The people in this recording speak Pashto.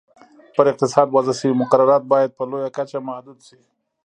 پر اقتصاد وضع شوي مقررات باید په لویه کچه محدود شي.